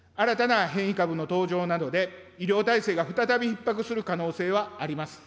新たな変異株の登場などで医療体制が再びひっ迫する可能性はあります。